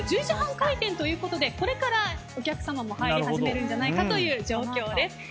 １０時半開店ということでこれからお客様も入り始めるんじゃないかという状況です。